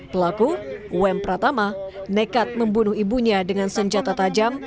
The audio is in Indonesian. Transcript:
pelaku um pratama nekat membunuh ibunya dengan senjata tajam